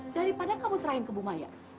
daripada kamu serahin ke bu maya